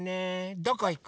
どこいく？